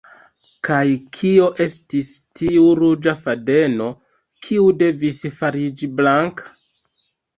Kaj kio estis tiu “ruĝa fadeno” kiu devis fariĝi blanka?